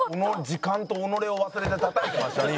時間と己を忘れてたたいてましたね